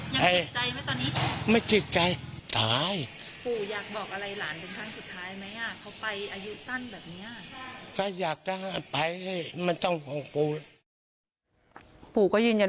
ยังติดใจไหมตอนนี้